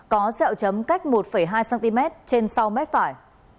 có xeo chấm cách một hai cm trên sau mép phải